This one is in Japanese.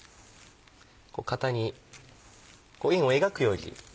型に円を描くように。